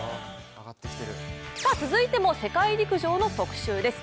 続いても世界陸上の特集です。